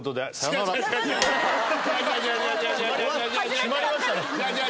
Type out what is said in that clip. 締まりましたね。